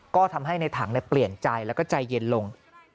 ก็ทำให้ในถังเปลี่ยนใจแล้วก็ใจเย็นลง